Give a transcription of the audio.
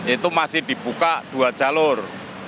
itu masih dibuka dua jalur